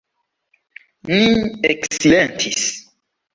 Ni eksilentis.